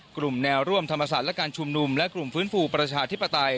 กลุ่มแนวร่วมธรรมศาสตร์และการชุมนุมและกลุ่มฟื้นฟูประชาธิปไตย